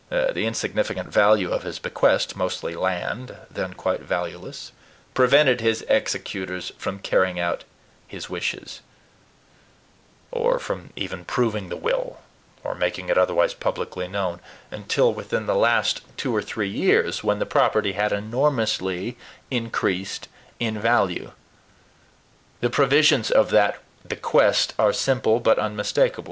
The insignificant value of his bequest mostly land, then quite valueless prevented his executors from carrying out his wishes, or from even proving the will, or making it otherwise publicly known, until within the last two or three years, when the property had enormously increased in value. The provisions of that bequest are simple, but unmistakable.